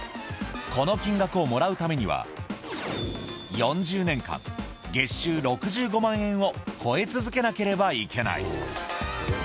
この金額をもらうためには４０年間月収６５万円を超え続けなければいけない。